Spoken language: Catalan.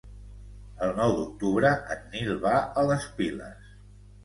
El nou d'octubre en Nil va a les Piles.